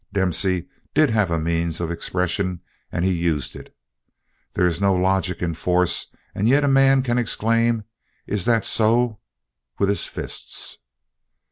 Dempsey did have a means of expression and he used it. There is no logic in force and yet a man can exclaim "Is that so!" with his fists.